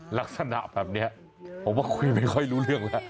หลักศนะแบบนี้ผมบอกว่าคุณไม่รู้เรื่องละ